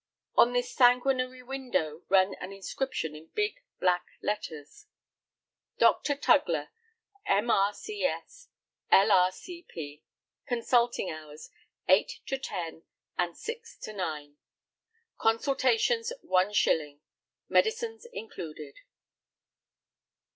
On this sanguinary window ran an inscription in big, black letters: Dr. Tugler, M.R.C.S., L.R.C.P. Consulting hours, 8 to 10 and 6 to 9 Consultations one shilling. Medicines included.